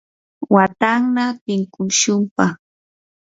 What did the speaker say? watanna tinkushunpaq.